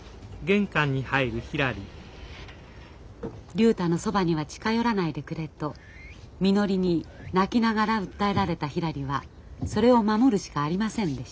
竜太のそばには近寄らないでくれとみのりに泣きながら訴えられたひらりはそれを守るしかありませんでした。